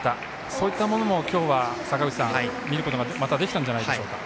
そういったものも今日は見ることができたんじゃないでしょうか。